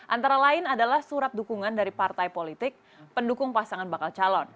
antara lain adalah surat dukungan dari partai politik pendukung pasangan bakal calon